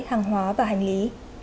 hàng hóa và hành lý